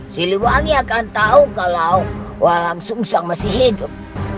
siliwangi akan tahu kalau walang sungsang masih hidup